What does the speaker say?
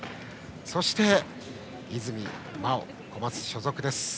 そして泉真生、コマツ所属です。